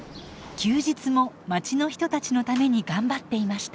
休日もまちの人たちのために頑張っていました。